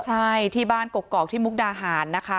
ใช่ที่บ้านกกอกที่มุกดาหารนะคะ